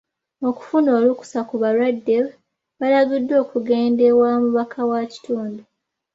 Okufuna olukusa ku balwadde balagiddwa okugenda ewa mubaka wa kitundu.